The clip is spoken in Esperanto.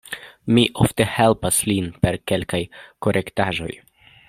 Mi ofte helpas lin per kelkaj korektaĵoj.